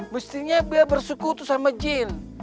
mestinya biar bersekutu sama jin